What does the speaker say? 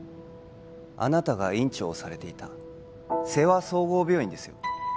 あなたが院長をされていた勢羽総合病院ですよ